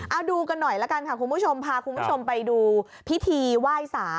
เอาดูกันหน่อยละกันค่ะคุณผู้ชมพาคุณผู้ชมไปดูพิธีไหว้สา